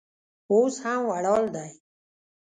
اوس هم ولاړ دی.